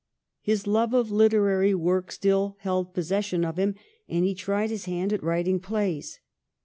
His love of literarv work still held possession of him, and he tried his hand at writing plays.